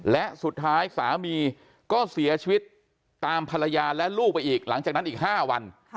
และสุดท้ายสามีก็เสียชีวิตตามภรรยาและลูกไปอีกหลังจากนั้นอีก๕วัน